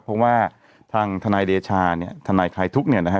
เพราะว่าทางทนายเดชาเนี่ยทนายคลายทุกข์เนี่ยนะฮะ